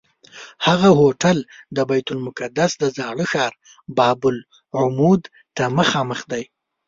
هغه هوټل د بیت المقدس د زاړه ښار باب العمود ته مخامخ دی.